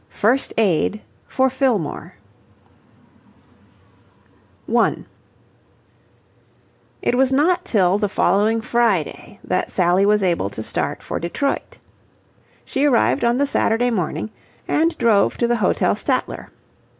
FIRST AID FOR FILLMORE 1 It was not till the following Friday that Sally was able to start for Detroit. She arrived on the Saturday morning and drove to the Hotel Statler.